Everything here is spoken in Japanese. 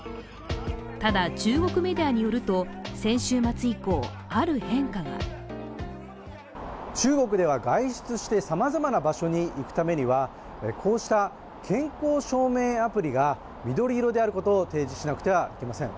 ただ、中国メディアによると、先週末以降、ある変化が中国では、外出してさまざまな場所に行くためにはこうした健康証明アプリが緑色であることを提示しなくてはなりません。